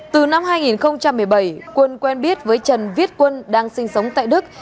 từ năm hai nghìn một mươi bảy quân quen biết với trần viết quân đang sinh sống tại đức